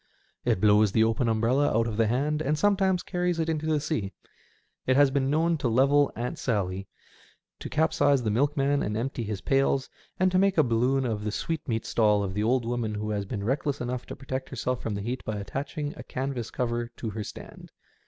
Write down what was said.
It blows the open umbrella out of the hand, and sometimes carries it into the sea. It has been known to level Aunt Sally, to capsize the milkman and empty his pails, and to make a balloon of the sweetmeat stall of the old woman who has been reckless enough to protect herself from the heat by attaching a canvas cover to her stand.